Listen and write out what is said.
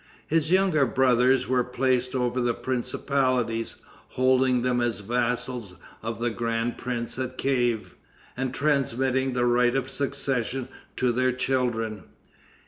His younger brothers were placed over the principalities, holding them as vassals of the grand prince at Kief, and transmitting the right of succession to their children.